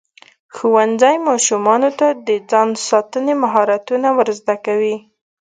ښوونځی ماشومانو ته د ځان ساتنې مهارتونه ورزده کوي.